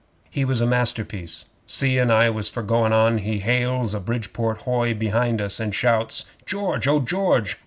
'He was a masterpiece. Seein' I was for goin' on, he hails a Bridport hoy beyond us and shouts, "George! Oh, George!